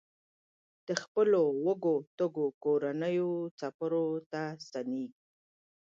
د خپلو وږو تږو کورنیو څپرو ته ستنېږي.